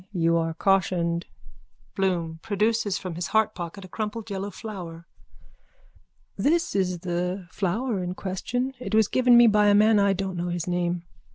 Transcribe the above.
You are cautioned. BLOOM: (Produces from his heartpocket a crumpled yellow flower.) This is the flower in question. It was given me by a man I don't know his name.